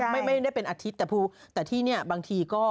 ไม่ไม่ได้เป็นอาทิตย์แต่ตรูแต่ที่เนี้ยบางทีก็